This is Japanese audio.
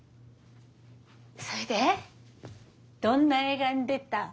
それでどんな映画に出たん？